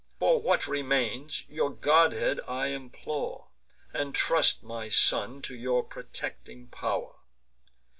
For what remains, your godhead I implore, And trust my son to your protecting pow'r.